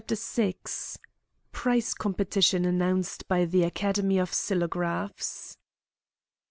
( 24 ) PRIZE COMPETITION ANNOUNCED BY THE ACADEMY OF SILLOGRAPHS.